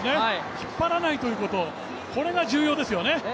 引っ張らないということ、これが重要ですよね。